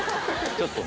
ちょっとね。